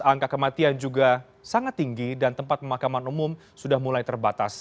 angka kematian juga sangat tinggi dan tempat pemakaman umum sudah mulai terbatas